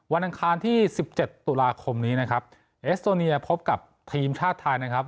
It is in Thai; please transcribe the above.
อังคารที่สิบเจ็ดตุลาคมนี้นะครับเอสโตเนียพบกับทีมชาติไทยนะครับ